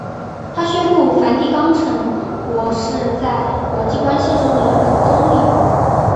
它宣布梵蒂冈城国是在国际关系的一个中立国。